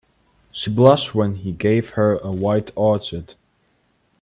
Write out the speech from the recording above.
She blushed when he gave her a white orchid.